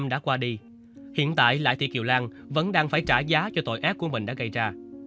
hơn chục năm đã qua đi hiện tại lại thị kiều lan vẫn đang phải trả giá cho tội ác của mình đã gây ra